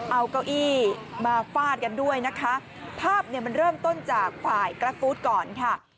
เอากะอี้มาฟาดกันด้วยนะครับภาพมันเริ่มต้นจากฝ่ายกรัฐฟูดก่อนค่ะ